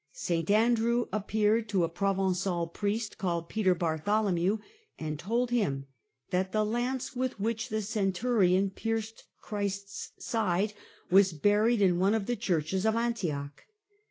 St Andrew appeared to a Provencal priest called Peter Bartholomew, and told him that the Lance with which the centurion pierced Christ's side was buried in one of the churches of Antioch.